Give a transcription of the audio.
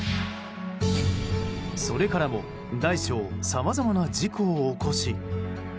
それからも大小さまざまな事故を起こし。